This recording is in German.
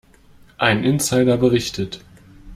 Ein Insider berichtet.